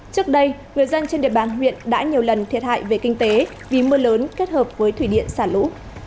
trước đây người dân trên địa bàn huyện đã nhiều lần thiệt hại về kinh tế vì mưa lớn kết hợp với thủy điện xả lũ